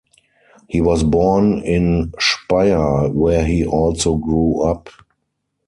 He was born in Speyer where he also grew up.